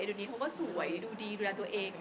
เดี๋ยวนี้เขาก็สวยดูดีดูแลตัวเอง